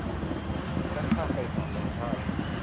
และข้ามไปฝั่งตรงข้าม